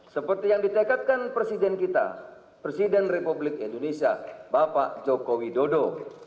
seperti yang ditekatkan presiden kita presiden republik indonesia bapak jokowi dodo